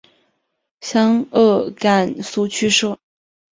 湘鄂赣苏区设。